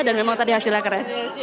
dan memang tadi hasilnya keren